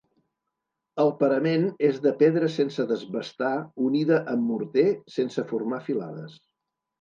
El parament és de pedra sense desbastar unida amb morter, sense formar filades.